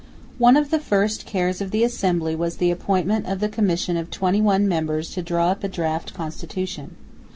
One of the first cares of the Assembly was the appointment of the Commission of twenty one members to draw up a draft Constitution.